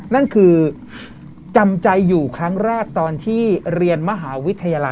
นั่นคือจำใจอยู่ครั้งแรกตอนที่เรียนมหาวิทยาลัย